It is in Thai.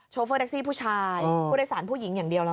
โฟเฟอร์แท็กซี่ผู้ชายผู้โดยสารผู้หญิงอย่างเดียวล่ะ